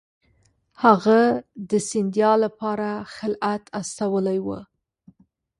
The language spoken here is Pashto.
هغه د سیندیا لپاره خلعت استولی وو.